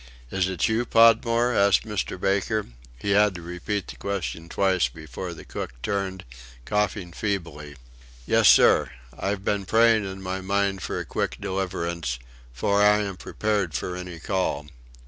"Is it you, Podmore?" asked Mr. Baker, He had to repeat the question twice before the cook turned, coughing feebly. "Yes, sir. I've been praying in my mind for a quick deliverance; for I am prepared for any call....